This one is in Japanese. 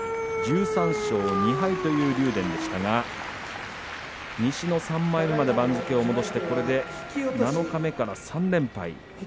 １３勝２敗という竜電でしたが西の３枚目まで番付を戻してこれで七日目から３連敗です。